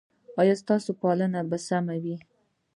ایا ستاسو پالنه به سمه وي؟